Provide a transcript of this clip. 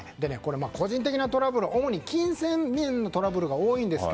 個人的なトラブルは主に金銭面のトラブルが多いです。